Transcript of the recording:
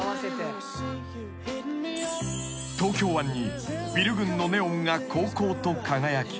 ［東京湾にビル群のネオンがこうこうと輝き］